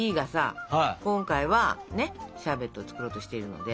今回はシャーベットを作ろうとしているので。